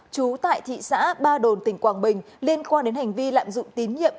trú tại thị xã ba đồn tỉnh quảng bình liên quan đến hành vi lạm dụng tín nhiệm